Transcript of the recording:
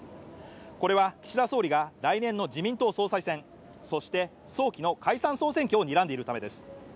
これは岸田総理が来年の自民党総裁選そして早期の解散総選挙をにらんでいるためです